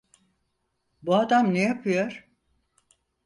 Bu adam ne yapıyor?